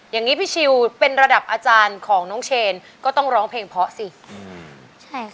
อย่างนี้พี่ชิวเป็นระดับอาจารย์ของน้องเชนก็ต้องร้องเพลงเพราะสิอืมใช่ค่ะ